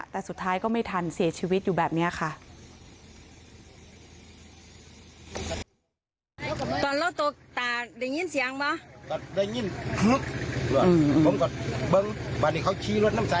แต่สุดท้ายก็ไม่ทันเสียชีวิตอยู่แบบนี้ค่ะ